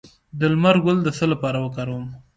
د لمر ګل د څه لپاره وکاروم؟